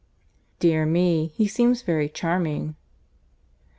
"Dear me! He seems very charming."